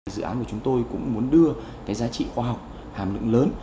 dự án của chúng tôi cũng muốn đưa cái giá trị khoa học hàm lượng lớn